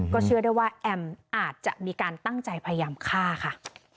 เชื่อได้ว่าแอมอาจจะมีการตั้งใจพยายามฆ่าค่ะ